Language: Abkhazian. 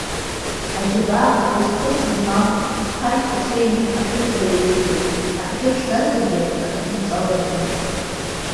Аџьабаа уасхырс измам, зԥашәқәа ҽеим ашәырҵла иаҩызоуп, абӷьы ԥшӡазаргьы, акгьы аҿалаӡом.